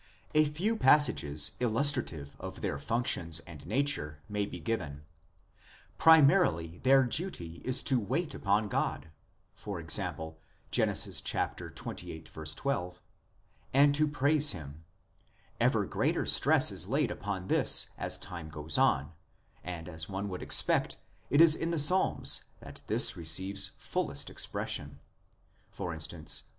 A few passages illustrative of their functions and nature may be given. Primarily their duty is to wait upon God (e.g. Gen. xxviii. 12) and to praise Him ; ever greater stress is laid upon this as time goes on, and as one would expect, it is in the Psalms that this receives fullest expression, e.